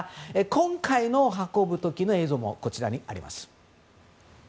今回の運ぶ時の映像もこちらにあります。